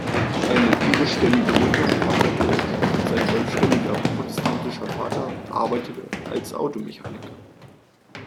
Seine irischstämmige Mutter war katholisch, sein deutschstämmiger protestantischer Vater arbeitete als Automechaniker.